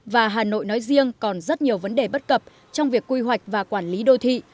và hà nội nói riêng còn rất nhiều vấn đề bất cập trong việc quy hoạch và quản lý đô thị